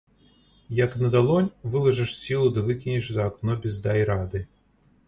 Як на далонь, вылажыш сілу ды выкінеш за акно без дай рады.